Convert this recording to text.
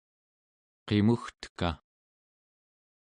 qimugteka